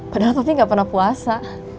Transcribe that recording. padahal papi gak pernah puasa